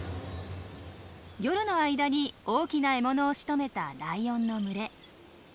夜の間に大きな獲物をしとめたライオンの群れ。